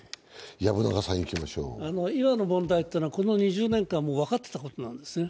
今の問題というのは、この２０年間分かっていたことなんですね。